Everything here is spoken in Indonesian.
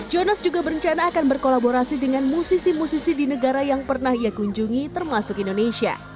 jonas juga berencana akan berkolaborasi dengan musisi musisi di negara yang pernah ia kunjungi termasuk indonesia